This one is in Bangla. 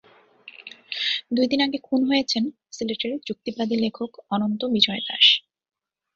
দুই দিন আগে খুন হয়েছেন সিলেটের যুক্তিবাদী লেখক অনন্ত বিজয় দাশ।